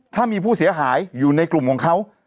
ถ้ามีผู้เสียหายอยู่ในกลุ่มของเขา